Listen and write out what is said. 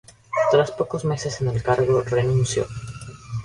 Tras pocos meses en el cargo renunció.